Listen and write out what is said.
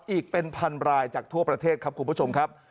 อีกเป็นพันรายจากทั่วประเทศครับคุณผู้ชมครับ